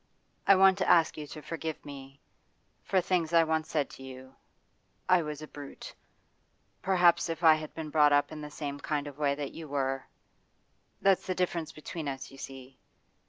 I want to ask you to forgive me for things I once said to you. I was a brute. Perhaps if I had been brought up in the same kind of way that you were that's the difference between us, you see.